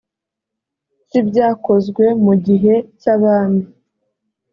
cy ibyakozwe mu gihe cy abami